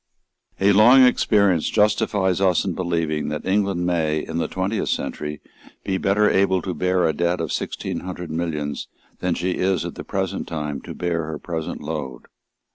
A long experience justifies us in believing that England may, in the twentieth century, be better able to bear a debt of sixteen hundred millions than she is at the present time to bear her present load.